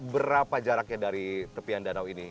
berapa jaraknya dari tepian danau ini